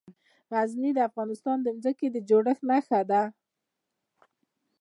غزني د افغانستان د ځمکې د جوړښت نښه ده.